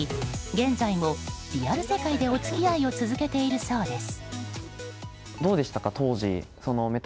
現在もリアル世界でお付き合いを続けているそうです。